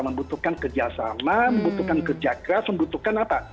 membutuhkan kerjasama membutuhkan kerja keras membutuhkan apa